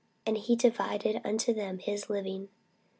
And he divided unto them his living.